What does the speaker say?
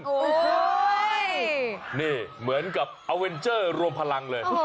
โอ้โหนี่เหมือนกับเอาเวนเจอร์รวมพลังเลย